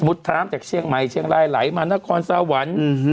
บุตรท้ามจากเชียงใหม่เชียงไล่ไหลมานครสวรรค์